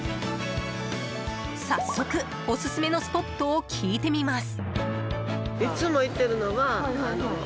早速、オススメのスポットを聞いてみます。